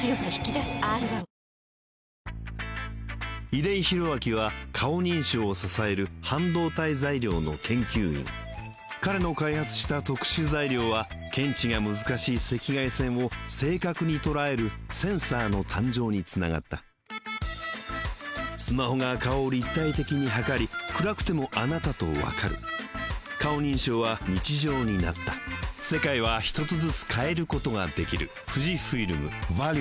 出井宏明は顔認証を支える半導体材料の研究員彼の開発した特殊材料は検知が難しい赤外線を正確に捉えるセンサーの誕生につながったスマホが顔を立体的に測り暗くてもあなたとわかる顔認証は日常になったブンブンハロースマホデビュー！